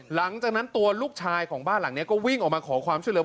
หลังจากนั้นตัวลูกชายของบ้านหลังนี้ก็วิ่งออกมาขอความช่วยเหลือ